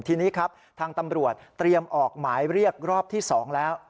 ทีนี้ครับทางตำรวจเตรียมออกหมายเรียกรอบที่๒แล้ว